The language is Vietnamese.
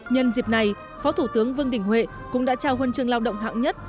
nhân dịp này phó thủ tướng vương đình huệ cũng đã trao huân trường lao động hạng nhất